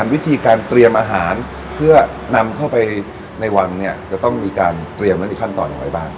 วิธีการเตรียมอาหารเพื่อนำเข้าไปในวังเนี่ยจะต้องมีการเตรียมนั้นอีกขั้นตอนอย่างไรบ้าง